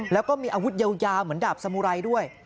แล้วก็มีอาวุธยาวเหมือนดาบสมุไรด้วย